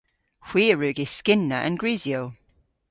Hwi a wrug yskynna an grisyow.